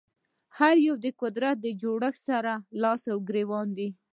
هر یو د قدرت جوړښتونو سره لاس ګرېوان دي